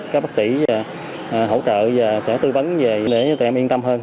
các bác sĩ hỗ trợ và sẽ tư vấn về để cho tụi em yên tâm hơn